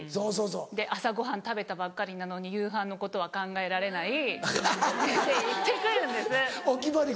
「朝ごはん食べたばっかりなのに夕飯のことは考えられない」って言って来るんです。